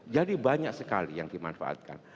jadi banyak sekali yang dimanfaatkan